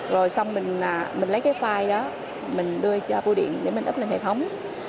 rồi xong mình lấy cái file đó mình đưa cho pu điện để mình ấp lên hệ thống